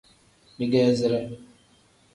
Digeezire.